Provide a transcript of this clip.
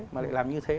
mà lại làm như thế